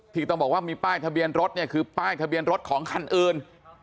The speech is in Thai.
ที่ต้องบอกว่ามีป้ายทะเบียนรถเนี่ยคือป้ายทะเบียนรถของคันอื่น